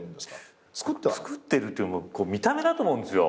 つくってるっていうより見た目だと思うんですよ。